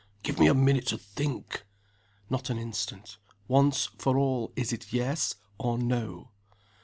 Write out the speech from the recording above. "Give me a minute to think!" "Not an instant. Once for all, is it Yes, or No?"